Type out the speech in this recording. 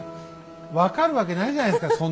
分かるわけないじゃないですか